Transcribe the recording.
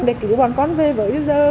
để cứu bọn con về với giờ